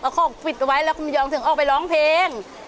เอาของปิดเอาไว้แล้วคุณยอมถึงออกไปร้องเพลง